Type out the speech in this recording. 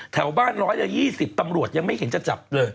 แถวบ้าน๑๒๐ตำรวจยังไม่เห็นจะจับเลย